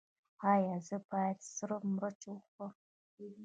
ایا زه باید سره مرچ وخورم؟